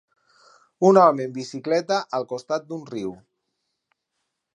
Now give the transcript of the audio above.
Un home en bicicleta al costat d'un riu.